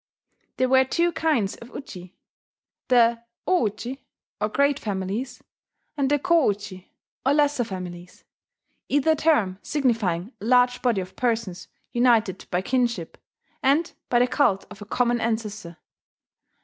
There were two kinds of uji: the o uji, or great families, and the ko uji, or lesser families, either term signifying a large body of persons united by kinship, and by the cult of a common ancestor.